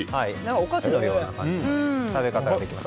お菓子のような感じの食べ方ができます。